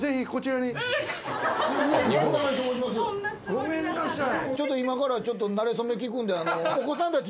ごめんなさい。